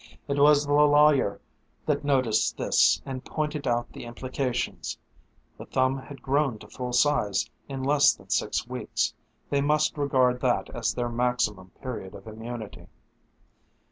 It was the lawyer that noticed this and pointed out the implications. The thumb had grown to full size in less than six weeks. They must regard that as their maximum period of immunity.